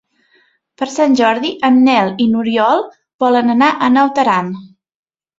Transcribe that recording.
Per Sant Jordi en Nel i n'Oriol volen anar a Naut Aran.